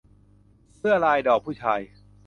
เสื้อลายดอกผู้ชาย